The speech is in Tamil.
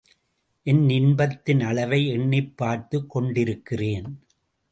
என் இன்பத்தின் அளவை எண்ணிப் பார்த்துக் கொண்டிருக்கிறேன்.